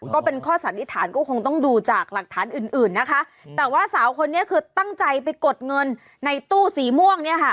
ก็เป็นข้อสันนิษฐานก็คงต้องดูจากหลักฐานอื่นอื่นนะคะแต่ว่าสาวคนนี้คือตั้งใจไปกดเงินในตู้สีม่วงเนี่ยค่ะ